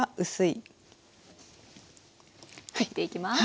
切っていきます。